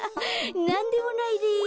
なんでもないです。